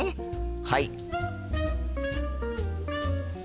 はい！